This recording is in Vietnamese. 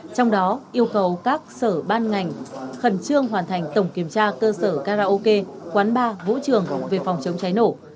trong đó yêu cầu các sở ban ngành khẩn trương hoàn thành tổng kiểm tra cơ sở karaoke quán bar vũ trường về phòng chống cháy nổ